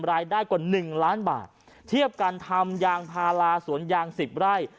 รายได้กว่า๑ล้านบาทเทียบกันทำยางพาราสวนยาง๑๐ไร่